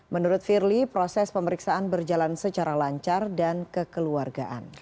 menurut firly proses pemeriksaan berjalan secara lancar dan kekeluargaan